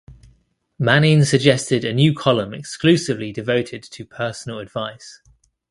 Manning suggested a new column exclusively devoted to personal advice.